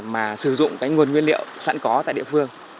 mà sử dụng cái nguồn nguyên liệu sẵn có tại địa phương